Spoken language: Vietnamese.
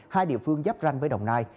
hai địa phương giáp ranh với đồng nai